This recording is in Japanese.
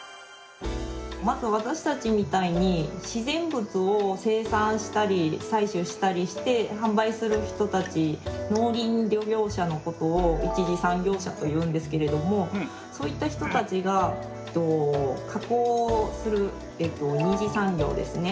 まず私たちみたいに自然物を生産したり採取したりして販売する人たち農林漁業者のことを１次産業者というんですけれどもそういった人たちが加工する２次産業ですね。